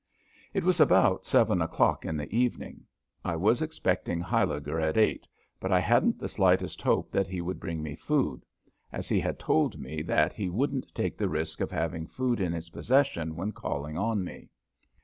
It was about seven o'clock in the evening. I was expecting Huyliger at eight, but I hadn't the slightest hope that he would bring me food, as he had told me that he wouldn't take the risk of having food in his possession when calling on me.